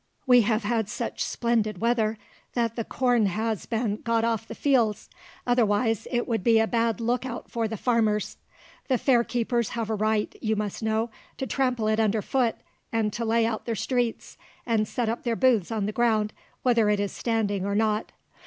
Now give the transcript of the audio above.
"We have had such splendid weather, that the corn has been got off the fields, otherwise it would be a bad look out for the farmers. The fair keepers have a right, you must know, to trample it under foot, and to lay out their streets, and set up their booths on the ground, whether it is standing or not.